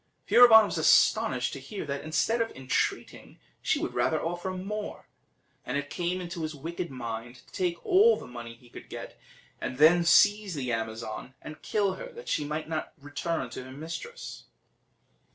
Furibon was astonished to hear that, instead of entreating, she would rather offer more; and it came into his wicked mind to take all the money he could get, and then seize the Amazon and kill her, that she might never return to her mistress.